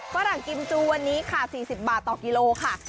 ฝรั่งกิมจูวันนี้๔๐บาทต่อกิโลกรัม